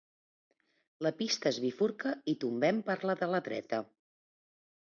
La pista es bifurca i tombem per la de la dreta.